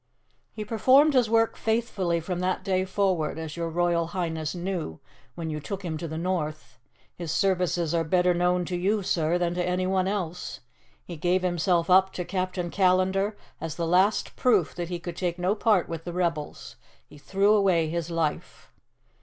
"He performed his work faithfully from that day forward, as your Royal Highness knew when you took him to the North. His services are better known to you, Sir, than to anyone else. He gave himself up to Captain Callandar as the last proof that he could take no part with the rebels. He threw away his life."